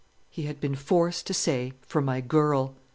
He had been forced to say, "For my girl."